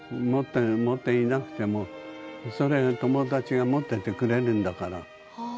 持っていなくても友達が持っていてくれるんだから。